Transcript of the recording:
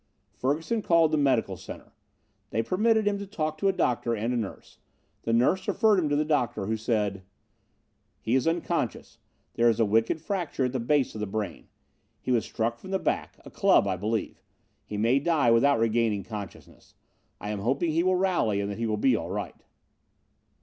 Ferguson called the Medical Center. They permitted him to talk to a doctor and a nurse. The nurse referred him to the doctor, who said: "He is unconscious. There is a wicked fracture at the base of the brain. He was struck from the back a club, I believe. He may die without regaining consciousness. I am hoping he will rally and that he will be all right."